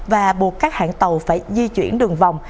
và buộc các hãng tàu phải di chuyển đường vòng